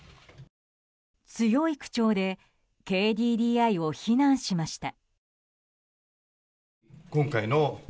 強い口調でＫＤＤＩを非難しました。